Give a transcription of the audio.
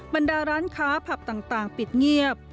บรรดาร้านค้าผับต่างปิดเงียบ